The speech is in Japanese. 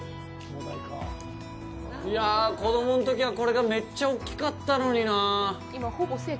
いやあ、子供のときはこれがめっちゃ大きかったのにな。